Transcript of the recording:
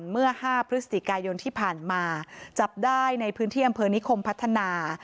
เมื่อ๕พฤศจิกายนที่ผ่านมาจับได้ในพื้นที่อำเภอนิคมพัฒนา